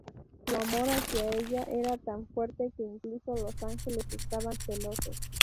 Su amor hacia ella era tan fuerte que incluso los ángeles estaban celosos.